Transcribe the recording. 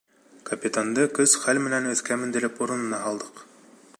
Капитанды көс-хәл менән өҫкә мендереп, урынына һалдыҡ.